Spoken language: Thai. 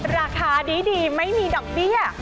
ราคาดีไม่มีดอกเบี้ย